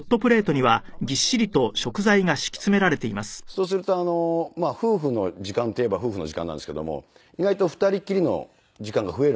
そうすると夫婦の時間といえば夫婦の時間なんですけども意外と２人きりの時間が増えるんですね。